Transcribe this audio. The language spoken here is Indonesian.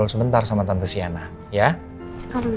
aku udah sampe di kendaraan